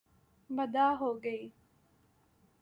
بدعا ہو گئی